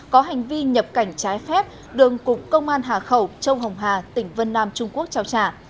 có hành vi nhập cảnh trái phép đường cục công an hà khẩu châu hồng hà tỉnh vân nam trung quốc trao trả